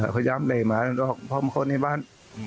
เนี่ยพยายามเล่หมารอพ่อมาก็เข้าในบ้าน